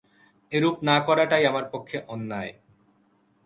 এরূপ না করাটাই আমার পক্ষে অন্যায়।